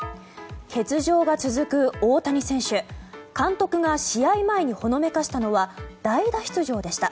欠場が続く大谷選手監督が試合前にほのめかしたのは代打出場でした。